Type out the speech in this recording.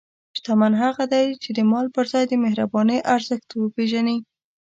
شتمن هغه دی چې د مال پر ځای د مهربانۍ ارزښت پېژني.